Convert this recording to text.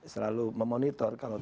selalu memonitor kalau